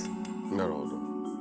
なるほど。